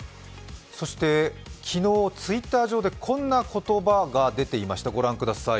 そして昨日、Ｔｗｉｔｔｅｒ上でこんな言葉が出ていました。